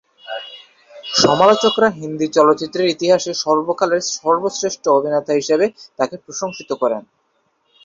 সমালোচকরা হিন্দি চলচ্চিত্রের ইতিহাসে সর্বকালের সর্বশ্রেষ্ঠ অভিনেতা হিসেবে তাকে প্রশংসিত করেন।